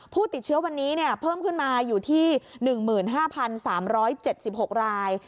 ผู้ติดเชื้อวันนี้เพิ่มขึ้นมาอยู่ที่๑๕๓๗๖ราย